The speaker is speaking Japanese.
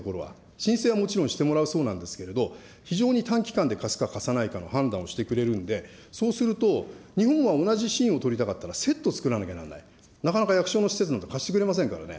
申請はもちろんしてもらうそうなんですけど、非常に短期間で貸すか貸さないかの判断をしてくれるんで、そうすると、日本は同じシーンを撮りたかったら、セット作らなきゃならない、なかなか役所の施設なんか貸してくれませんからね。